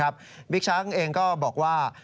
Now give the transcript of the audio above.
บิ๊กช้างเองก็บอกว่า